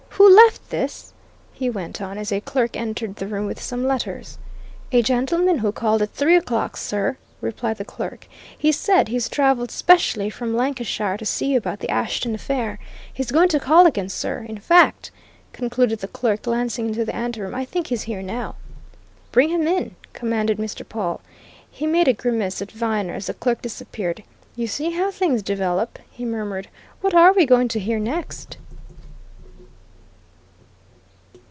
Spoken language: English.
Who left this?" he went on, as a clerk entered the room with some letters. "A gentleman who called at three o'clock, sir," replied the clerk. "He said he's travelled specially from Lancashire to see you about the Ashton affair. He's going to call again, sir. In fact," concluded the clerk, glancing into the anteroom, "I think he's here now." "Bring him in," commanded Mr. Pawle. He made a grimace at Viner as the clerk disappeared. "You see how things develop," he murmured. "What are we going to hear next?"